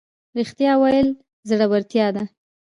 رښتیا ویل زړورتیا ده